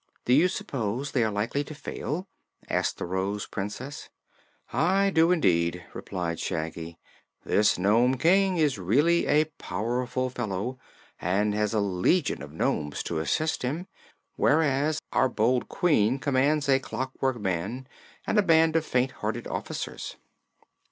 "Do you suppose they are likely to fail?" asked the Rose Princess. "I do, indeed," replied Shaggy. "This Nome King is really a powerful fellow and has a legion of nomes to assist him, whereas our bold Queen commands a Clockwork Man and a band of faint hearted officers."